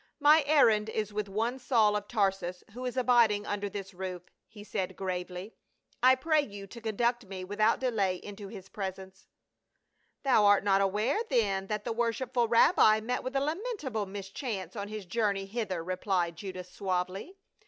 " My errand is with one Saul of Tar sus, who is abiding under this roof," he said gravely. " I pray you to conduct me without delay into his presence." "Thou art not aware, then, that the worshipful rabbi met witli a lamentable mischance on his journc)' IN THE HOUSE OF JUDAS. 27 hither," rcph'cd Judas suavely.